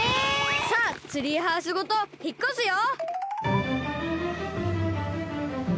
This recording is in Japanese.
さあツリーハウスごとひっこすよ！